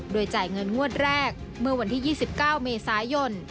โดยจ่ายเงินงวดแรกเมื่อวันที่๒๙เมษายน